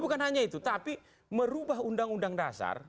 bukan hanya itu tapi merubah undang undang dasar